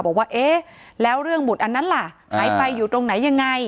บอกว่าเอ๊ะแล้วเรื่องหมุดอันนั้นล่ะหายไปอยู่ตรงไหนยังไง